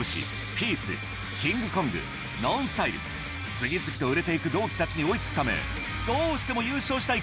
次々と売れて行く同期たちに追い付くためどうしても優勝したい